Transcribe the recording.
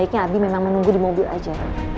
baiknya abi memang menunggu di mobil aja